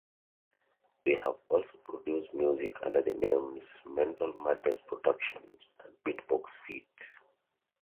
They have also produced music under the names Mental Madness Productions and Beatbox feat.